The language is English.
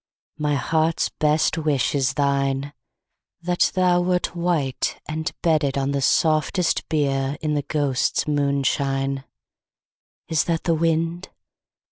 My heart's best wish is thine, — That thou wert white, and bedded On the softest bier. In the ghosts* moonshine. Is that the wind